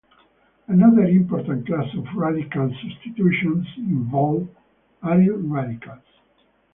Another important class of radical substitutions involve aryl radicals.